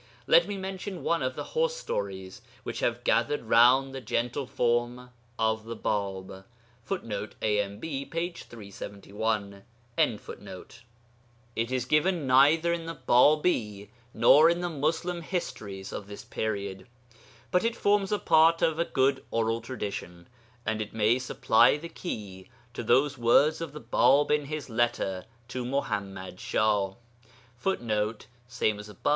Let me mention one of the horse stories which have gathered round the gentle form of the Bāb. [Footnote: AMB, p. 371.] It is given neither in the Bābī nor in the Muslim histories of this period. But it forms a part of a good oral tradition, and it may supply the key to those words of the Bāb in his letter to Muḥammad Shah: [Footnote: Ibid.